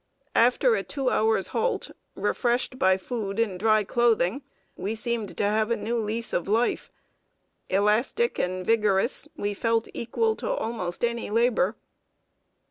After a two hours' halt, refreshed by food and dry clothing, we seemed to have a new lease of life. Elastic and vigorous, we felt equal to almost any labor.